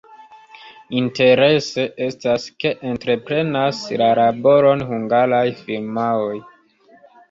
Interese estas, ke entreprenas la laboron hungaraj firmaoj.